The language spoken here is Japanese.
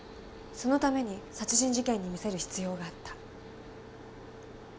そのために殺人事件に見せる必要があった。